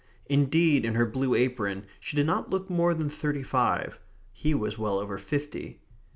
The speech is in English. Indeed, in her blue apron she did not look more than thirty five. He was well over fifty.